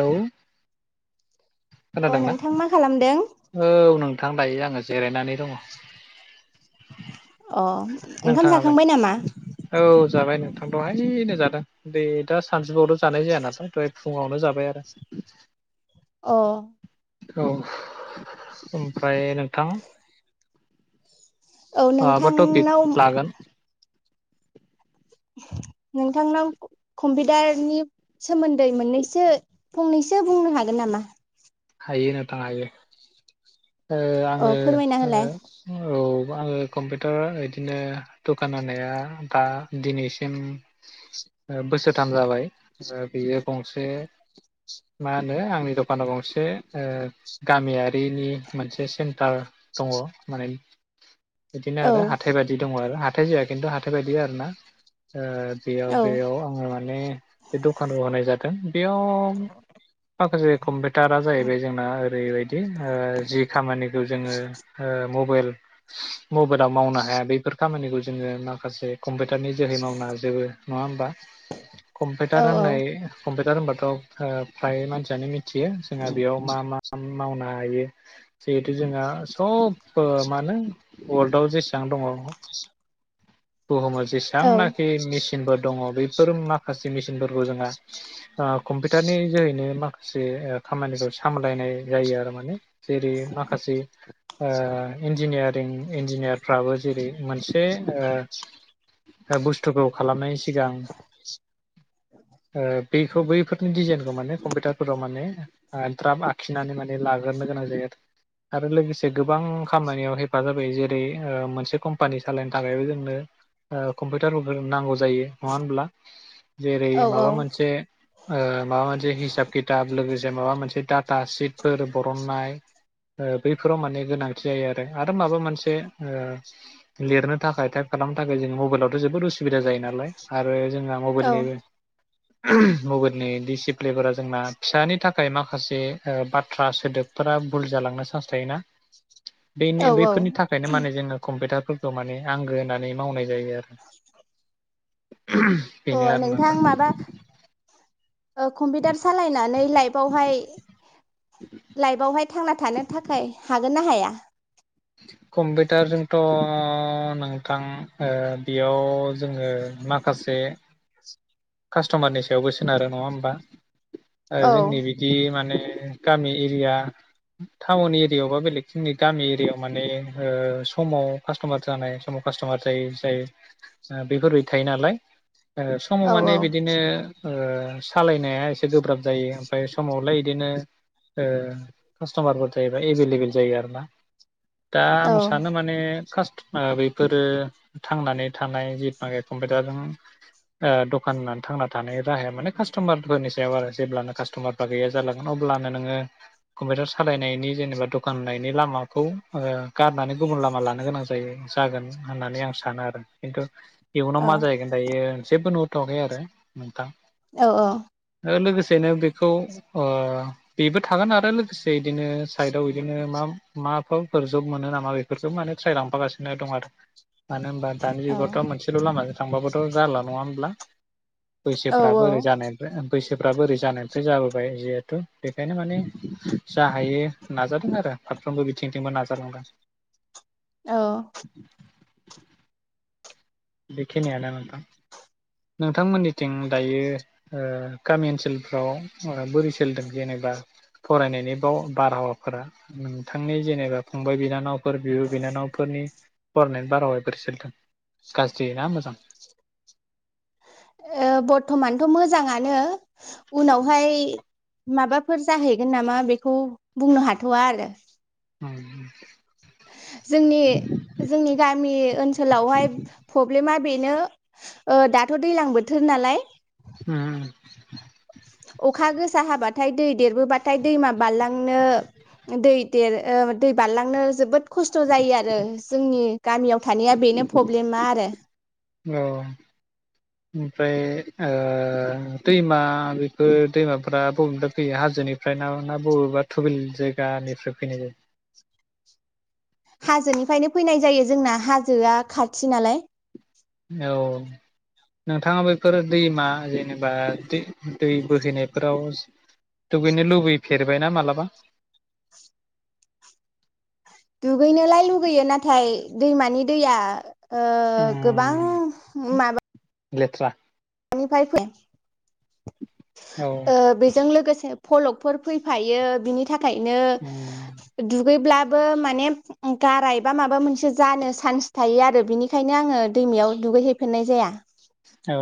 औउ। अ खोनादोंना नोंथां मा खालामदों औ नों थां दायो आङो जिरायनानै दङ। अ ओंखाम नोंथाङालाय जाखांबाय नामा? औ जाबाय नोंथां दवहायनो जादों दै दा सानजुआवल' जानाय जाया नालाय दहाय फुङावनो जाबाय आरो। अ। औ ओमफ्राय नोंथां औ माबा टपिक नोंथांनाव लागोन नोंथांनाव कम्पिउटारनि सोमोन्दै मोननैसो फंनैसो बुंनो हागोन नामा? हायो नोंथां हायो। ओ औ आङो फोरमायना होलाय ओ औ। आङो कम्पिउटार इदिनो दखान होनाया दा दिनैसिम बोसोरथाम जाबाय बियो गंसे मा होनो आंनि दखानाव [unintelligible] गंसे ओ गामियारिनि मोनसे सेन्टार दङ माने। बिदिनो औ आरो हाथाय बायदि दङ आरो थाय जाया खिन्थु हाथाय बायदि आरो ना। ओ बेयाव औ बेयाव आङो माने बे दखानाव होनाय जादों। बेयाव माखासे कम टारा जाहैबाय जोंना ओरैबायदि ओ जि खामानिखौ जोङो ओ मबाइल मबाइलाव मावनो हाया बेफोर खामानिखौ जोङो माखासे कम्पिउटारनि जोहै मावनो हाजोबो। नङा होमबा। कम्पिउटार औ औ होननाय [unintelligible] टार होनबाथ' ओ फ्राय मानसियानो मिथियो। जोंहा बेयाव मा मा मावनो हायो। जिहेथु जोंहा सब मा होनो वर्ल्डआव जेसेबां दङ। बुहुमाव औ जेसेबांनाखि मेसिनफोर दङ बे फोर माखासे मे सिनफोरखौ जोंहा ओ कम्पिउटारनि जोहैनो माखासे ओ खामानिखौ। सामलायनाय जायो आरो माने जेरै माखासे ओ इन्जिनियारिं इन्जिनियारफ्राबो जेरै मोनसे ओ ओ बुस्थुखौ खालामनाय सिगां ओ बेखौ बैफोरनि डिजाइनखौ माने कम्पिउटारफोराव माने ओ द्राब आखिनानै माने लाग्रनो गोनां जायो आरो लोगोसे गोबां खामानियाव हेफाजाबायो जेरै मोनसे कम्पानि सालायनो थाखायबो जोंनो कम्पिउटार नांगौ जायो नङा होमब्ला? जेरै औ माबा मोनसे ओ माबा मोनसे हिसाब खिथाब लोगोसे मोनसे डाटा सिडफोर बरननाय ओ बैफोराव माने गोनांथि जायो आरो। आरो माबा मोनसे ओ लिरनो थाखाय टाइप खालामनो थाखाय जों मबाइलावथ' जोबोद उसुबिदा जायो नालाय आरो जोंना मबाइलनिबो मबाइलनि दिसि लेबारा जोंना फिसानि थाख माखासे ओ बा थ्रा सोदोबफोरा भुल जालांनो सान्स थायोना। औ बेैनि औ बेैफोरनि थाखायनो मानो जोंनो कम्पिउटार फोर खौ' माने आंगो होननानै मावनाय जायो आरो। बेनो अ' आरो नोंथां माबा ओ कम्पिउटार सालायनानै लाइभआवहाय लाइभआवहाय थानो थाखाय हागोन ना हाया? [inaudible] कम्पिउटारजोंथ' नोंथां ओ बेयाव जोङो माखासे कास्ट'मारनि सायावबो सोनारो नङा होमबा? ओ औ जोंनि बिदि माने गामि एरिया टाउन एरिया यावबा बेलेग जोंनि गामि एरियायाव माने ओ समाव कास्ट'मार जानाय समाव कास्ट'मार जायै जायो ओ बेफोरबायदि थायो नालाय। ओ समाव औ माने औ बिदिनो ओ सालायनाया एसे गोब्राब जायो ओमफाय समावलाय इदिनो ओ कास्ट'मारफोर थायोबा एभेलेबेल जायो आरोना। दा औ आं सानो माने [inaudible] बेैफोरो थांनानै थानाय [unintelligible] कम्पिउटारजों ओ दखान होननानै थांना थानायनि राहाया माने कास्ट'मारफोरनि सायाव आरो जेब्लनो कास्ट'मारफ गैया जालांगोन अब्लानो नोङो कम्पिउटार सालायनायनि जेनेबा दखान होनायनि लामाखौ ओ गारनानै गुबुन लामा लानो गोनां जायो जागोन होननानै आं सानो आरो खिन्थु इयुनाव औ मा जाहैगोन दायो जेबो नु [unintelligible] आरो नोंथां। औ औ ओ लोगोसेनो बेखौ ओ बेबो थागोन आरो लोगोसे इदिनो साइडआव इदिनो मा माफोरफोर जब मोनो नामा बेफोरखौ माने ट्राय लांफागासिनो दं आरो मानो होनबा दानि औ जुगावथ'आ मोनसेल' लामाजों थांबाबोथ' जाला नङा होमब्ला? औ बैसोफ्राबो ओरै औ जानायबो बैसोफ्राबो ओरै जानायनिफ्राय जाबोबाय जिहेथु बेखायनो माने जा हायो नाजादों आरो फारफ्रोमबो बिथिंथिंबो नाजालांदों। औ बेखिनियानो नोंथां नोंथांमोननिथिं दायो ओ गामि ओनसोलफ्राव ओ बोरै सोलिदों जेनेबा फरायनायनि बाव बारहावाफोरा नोंथांनि जेनेबा फंबाय बिनानावफोर बिब' बिनानावफोरनि फरायनायनि बारहावाया बोरै सोलिदों? गाज्रि ना मोजां? ओ बर्थमानथ' मोजाङानो उनावहाय माबाफोर जाहैगोन नामा बेखौ बुंनो हाथ'वा आरो उम जोंनि जोंनि गामि ओनसोलावहाय प्रब्लेमा बेनो ओ दाथ' दैलां बोथोर नालाय उम अखा गोसा हाबाथाय दै देरबोबाथाय दैमा बारलांनो दै देर दै बारलांनो जोबोद खस्थ' जायो आरो जोंनि गामियाव थानाया बेनो प्रब्लेमा आरो औ ओमफ्राय ओ दैमा बेफोर दैमाफ्रा बबेनिफ्राया फैयो हाजोनिफ्राय ना बबेबा थुबिल जायगानिफ्राय फैनाय जायो? हाजोनिफ्रायनो फैनाय जायो जोंना हाजोआ खाथि नालाय। औ नोंथाङा बेैफोर दैमा जेनेबा दै बोहैनायफोराव दुगैनो लुबैफेरबायना मालाबा? दुगैनोलाय लुगैयो नाथाय दैमानि दैया ओ गोबां उम माबा लेथ्रा [unintelligible] ओ औ बेजों लोगोसे फलकफोर फैफायो बिनि थाखायनो दुगैब्ला बो माने गारायबा माबा मोनसे जानो चान्स थायो आरो बिनिखायनो आङो दैमायाव दुगैहैफेरनाय जाया। औ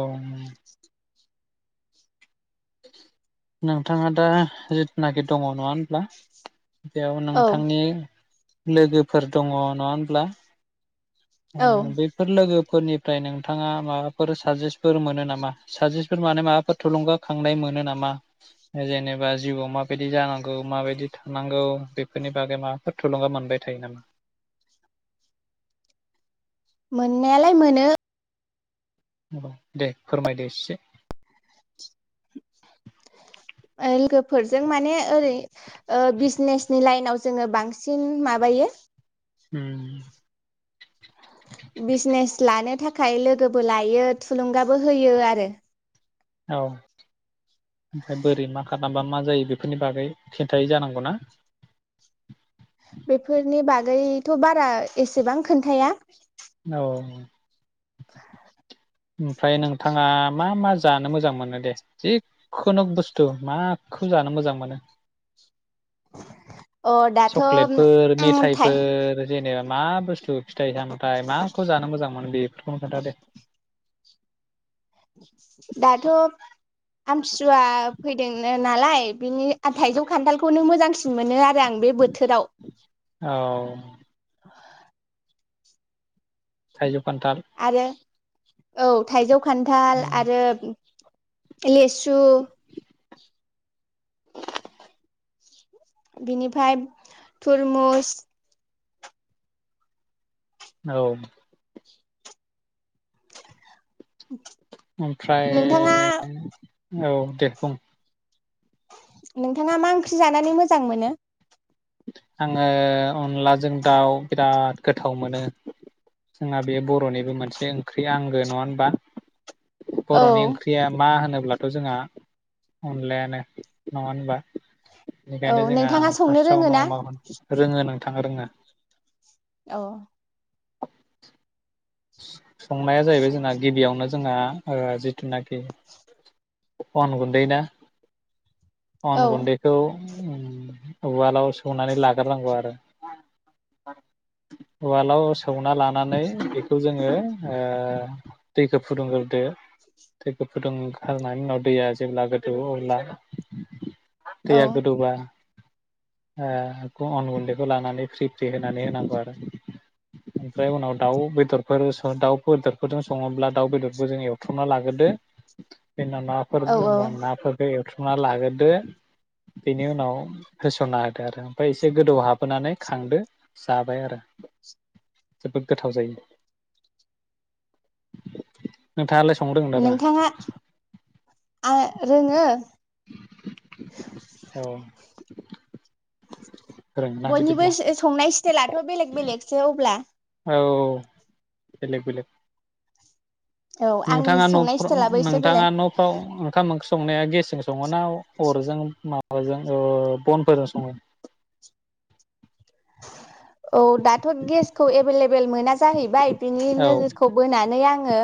नोंथाङा दा जिथुनाखि दङ नङा होनब्ला? बेयाव औ नोंथांनि? लोगोफोर दङ नङा होनोमब्ला? ओ औ बेफोर लोगो फोरनिफ्राय नोंथाङा माबाफोर साजेस्टफोर मोनो नामा साजेसटफोर माने माबाफोर थुलुंगा खांनाय मोनो नामा जेनेबा जिउआव माबायदि जानांगौ माबायदि थानांगौ बेफोरनि बागै माबाफोर थुलुंगा मोनबाय थायो नामा? मोननायालाय मोनो। अ दे फोरमायदो एसे लोगोफोरजों माने ओरै बिजनेसनि लाइनाव जोङो बांसिन माबायो ओम बिजसनेस लानो थाखा खाय लोगोबो लायो थुलुंगाबो होयो आरो। औ ओमफ्राय बोरै मा खालामबा मा जायो बेफोरनि बागै खिन्थायै जानांगौ ना? बेफोरनि बागैथ' बारा एसेबां खोन्थाया औ। [inaudible] ओमफ्राय नोंथाङा मा मा? जानो मोजां मोनो दे जिखुनु बुस्थु माखौ जानो मोजां मोनो? अ दाथ' उम चक्लेटफोर मेथाइफोर जेनेबा मा बुस्थु? बुस्थु फिथाइ सामथायाइ माखौ जानो मोजां मोनो बेफोरखौनो खोन्थादे। दाथ' आमथिसुवा फैदों नालाय बिनि थाइजौ खान्थालखौ नों मोजांसिन मोनो आरो आं बे बोथोराव औ थायजौ आरो औ थाइजौ खान्थाल आरो लेसु उ बिनिफ्राय थुरमुस औ। ओमफ्राय नोंथाङा? औ दे बुं। नोंथाङा मा ओंख्रि जानानै मोजां मोनो? आङो अनलाजों दाउ बिराद गोथाव मोनो जोंहा बे बर'निबो मोनसे ओंख्रि आंगो नङा होनबा? औ बर'नि ओंख्रिया मा होनोब्ला थ' जोंहा अनलायानो नङा होनबा? औ बेनिखायनो जोंहा आं नोंथाङा संनो फार्स्ट रोङो ना [unintelligible] रोङो नोंथाङा रोङो। औ। [inaudible] संनाया जाहैबाय जोंना गिबियावनो जोंहा ओ जिथुनाखि अन गुन्दै ना औ अन गुन्दैखौ उवालाव सौनानै लाग्रोनांगौ आरो उवालाव सौना लानानै बेखौ जोङो दैखौ फुदुंग्रोदो दैखौ फुदुंग्रोनायनि उनाव दैया जेब्ला गोदौओ अब्ला औ दैैया गोदौबा ओ अन गुन्दैखौ लानानै फ्रि फ्रि होनानै होनांगौ आरो ओमफ्राय उनाव दाउ बेदर फोर दाउ बेदरफोरजों सङोब्ला दाउ बेदरखौ जों एवथ्रुमना लाग्रोदो जोंना नाफोर औ औ जेनबा नाफोर एल थुमना लाग्रोदो बेनि उनाव होसनना होदो आरो ओमफ्राय एसे गोदौ हाबोनानै खांदो जाबाय आरो जोबोद गोथाव जायो। नोंथाङालाय संनो रोंगोन ना रोङा नोंथाङा आं रोङो। औ। रोङोना बयनिबो बिदिब्ला संनाय स्टाइलाथ' बेलेग बेलेगसो अब्ला औ बेलेग बेलेग औ आंनि नोंथाङा संनाय नफ्राव स्टाइलाबो एसे नोंथाङा बेलेग नफ्राव ओंखाम ओंख्रि संनाया गेसजों सं ङो ना अरजों मा बाजों ओ बनफोरजों सङो? औ दाथ' गेसखौ एभेलेबेल मोना जाहैबाय बिनि नोजोरखौ बोनानै आङो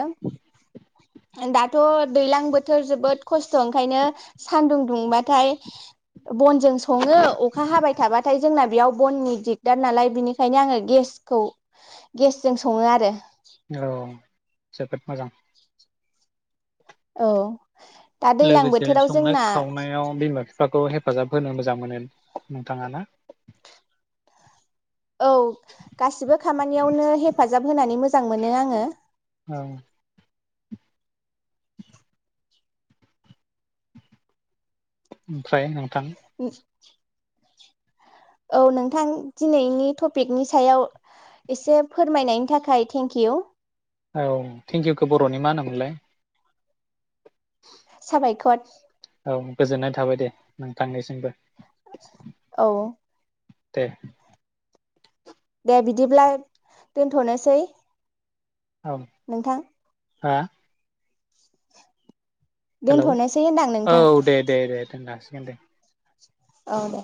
दाथ दैज्लां बोथो थोर जोबोद खस्थ' ओंखायनो सानदुं दुंबाथाय बनजों सङो अखा हाबाय थाबाथाय जोंना बेयाव बननि दिगदार नालाय बिनिखायनो आङो गेसखौ गेसजों सङो आरो औ जोबोद मोजां औ दा दैलां लोगोसे बोथोराव संनाय जोंना खावनायाव बिमा फिफाखौ हेफाजाब होनो मोजां मोनो नोंथाङा ना? औ गासिबो खामानियावनो हेफाजाब होनानै मोजां मोनो आङो औ [unintelligible] ओमफ्राय नों थां [unintelligible] औ नोंथां दिनैनि टपिकनि सायाव एसे फोरमायनायनि थाखाय थेंक इउ औ थेंकिउखौ बर'नि मा होनोमोनलाय साबायखर औ गोजोननाय थाबाय दे नोंथांनिसिमबो औ दे। दे बिदिब्लाय दोनथनोसै। औ नोंथां हा? हेलौ दोनथ'नोसै होनदां औ नोंथां दे दे दे दोननो हासि गोन दे औ दे